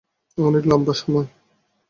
অনেক লম্বা সময়।